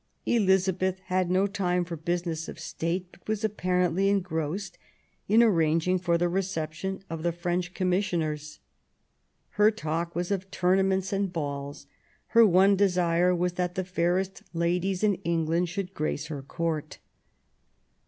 Elizabeth had no time for business of State, but was apparently engrossed in arranging for the reception of the French Commis sioners. Her talk was of tournaments and balls; her one desire was that the fairest ladies in England should grace her Court.